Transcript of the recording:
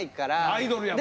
アイドルやもん。